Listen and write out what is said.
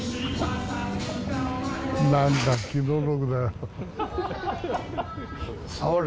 なんだ、気の毒だよ。